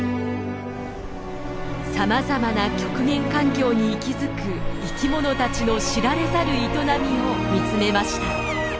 さまざまな極限環境に息づく生きものたちの知られざる営みを見つめました。